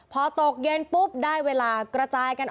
พอตกเย็นปุ๊บได้เวลากระจายกัน